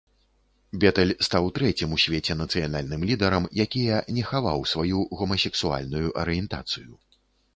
Бетэль стаў трэцім у свеце нацыянальным лідарам, якія не хаваў сваю гомасексуальную арыентацыю.